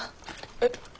えっ？